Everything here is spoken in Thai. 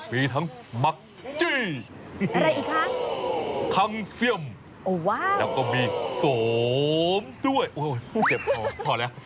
มีทั้งมักจี้อะไรอีกครับคังเซียมโอ้ว้าวแล้วก็มีโสมด้วยโอ้โฮเจ็บพอพอแล้ว